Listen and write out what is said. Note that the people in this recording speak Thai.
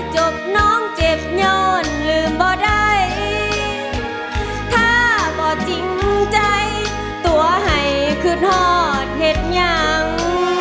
จบน้องเจ็บย้อนลืมบ่ได้ถ้าบ่จริงใจตัวให้คืนทอดเห็ดยัง